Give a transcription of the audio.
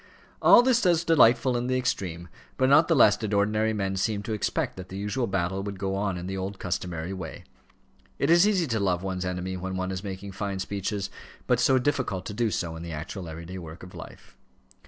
All this was delightful in the extreme; but not the less did ordinary men seem to expect that the usual battle would go on in the old customary way. It is easy to love one's enemy when one is making fine speeches; but so difficult to do so in the actual everyday work of life.